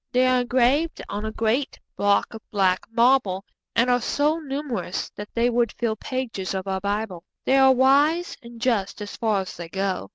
They are engraved on a great block of black marble, and are so numerous that they would fill pages of our Bible. They are wise and just as far as they go.